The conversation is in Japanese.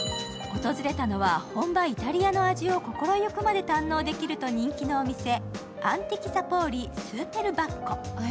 訪れたのは本場イタリアの味を心ゆくまで堪能できると人気のお店アンティキサポーリ／スーペルバッコ。